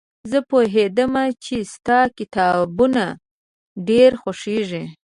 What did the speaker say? زه پوهېدم چې ستا کتابونه ډېر خوښېږي.